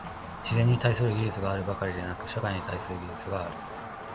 自然に対する技術があるばかりでなく、社会に対する技術がある。